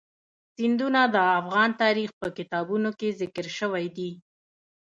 سیندونه د افغان تاریخ په کتابونو کې ذکر شوی دي.